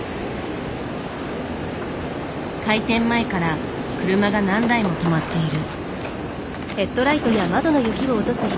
開店前から車が何台も止まっている。